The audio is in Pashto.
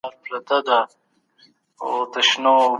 پښتو په ښه خط ولیکه.